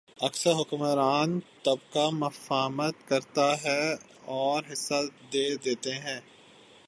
اکثر حکمران طبقہ مفاہمت کرتا اور حصہ دے دیتا ہے۔